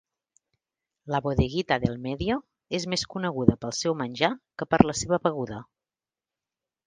La Bodeguita del Medio és més coneguda pel seu menjar que per la seva beguda.